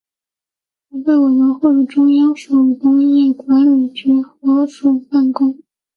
筹备委员会与中央手工业管理局合署办公。